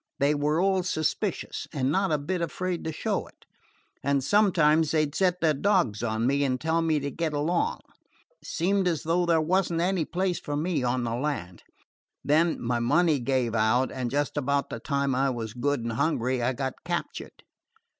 They were all suspicious, and not a bit afraid to show it, and sometimes they 'd set their dogs on me and tell me to get along. Seemed as though there was n't any place for me on the land. Then my money gave out, and just about the time I was good and hungry I got captured."